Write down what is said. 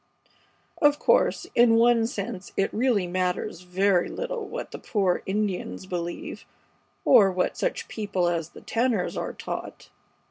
Of course, in one sense it really matters very little what the poor Indians believe, or what such people as the Tanners are taught.